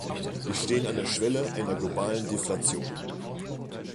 Wir stehen an der Schwelle einer globalen Deflation.